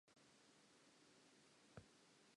Re ka etsa puisano ka ho ngola.